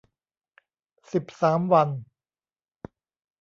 สิบสาม วัน